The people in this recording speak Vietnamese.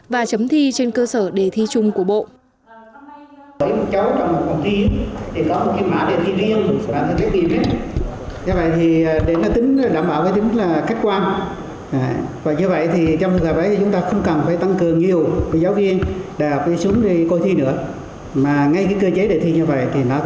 và chấm thi trên cơ sở đề thi chung của bộ